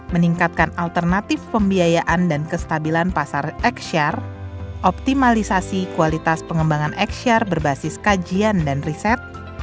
meningkatkan alternatif pembiayaan dan kestabilan pasar ekser optimalisasi kualitas pengembangan exyar berbasis kajian dan riset